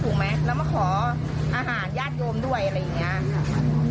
ถูกไหมแล้วมาของอาหารญาติโยมด้วยอะไรอย่างนี้